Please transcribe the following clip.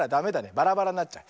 バラバラになっちゃう。